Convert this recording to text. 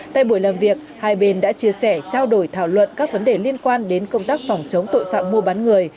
tại buổi làm việc hai bên đã chia sẻ trao đổi thảo luận các vấn đề liên quan đến công tác phòng chống tội phạm mua bán người